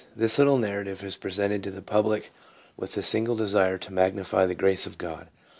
THIS little narrative is presented to the public with the single desire to magnify the grace of God.